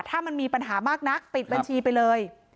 ถ้ามันมีปัญหามากนักปิดบัญชีไปเลย